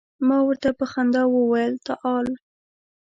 ما ورته په خندا وویل تعال.